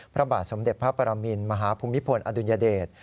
พระบาทสมเด็จพระปรมินมหาภูมิพลอดุลยเดช